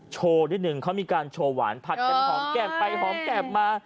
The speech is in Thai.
โชว์นิดนึงเขามีการโชว์หวานผัดกันหอมแก้มไปหอมแก้มมา